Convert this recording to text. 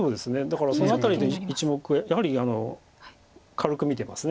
だからその辺りで１目やはり軽く見てます。